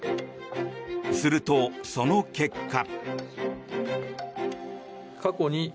すると、その結果。